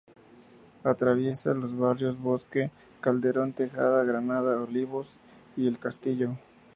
Atraviesa los barrios Bosque Calderón Tejada, Granada, Olivos y El Castillo.